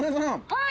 はい。